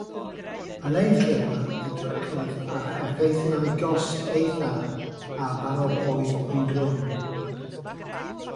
Yn ei llyfr, edrychodd ar effeithiau'r gosb eithaf ar bawb oedd ynghlwm.